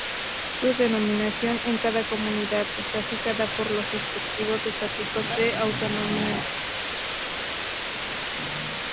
Su denominación en cada comunidad está fijada por los respectivos estatutos de autonomía.